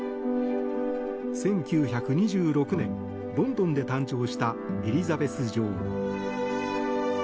１９２６年、ロンドンで誕生したエリザベス女王。